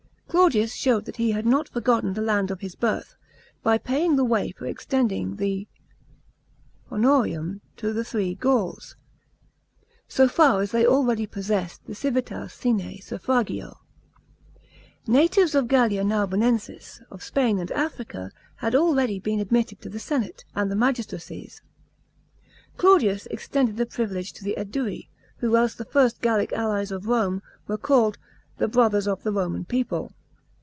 Claudius showed that he had not forgotten the land of his birth, by paving the way for extending the^'ws honorum to the three Gauls, so far as they already possessed the civitas sine suffrayio. Natives of Gallia Narbonensis, of Spain and Africa, had already been admitted to the senate, and the magistracies ; Claudius extended the privilege to the ^Edui, who, as the first Gallic allies of Rome, were called the " brothers of the Roman people."